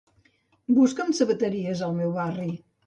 Busca'm sabateries al meu barri.